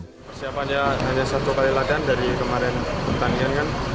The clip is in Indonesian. persiapannya hanya satu kali latihan dari kemarin pertandingan kan